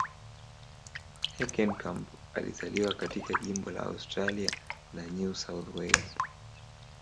Heckenkamp alizaliwa katika jimbo la Australia la New South Wales.